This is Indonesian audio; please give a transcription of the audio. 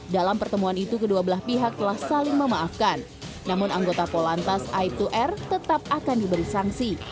dalam pertemuan itu kedua belah pihak telah saling memaafkan namun anggota polantas aib dua r tetap akan diberi sanksi